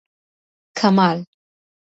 کمال